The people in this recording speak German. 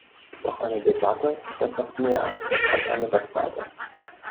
Doch eine Debatte ist etwas mehr als eine Webseite.